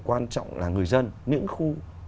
quan trọng là người dân những khu